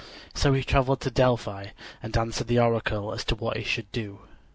So he traveled to Delphi and questioned the oracle as to what he should do.